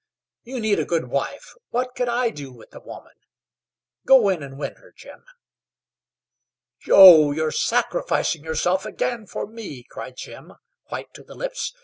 You need a good wife. What could I do with a woman? Go in and win her, Jim." "Joe, you're sacrificing yourself again for me," cried Jim, white to the lips.